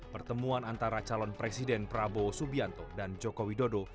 pertemuan antara calon presiden prabowo subianto dan jokowi dodo